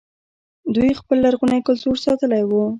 دوی خپل لرغونی کلتور ساتلی و